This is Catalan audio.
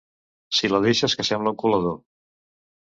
Si la deixes que sembla un colador!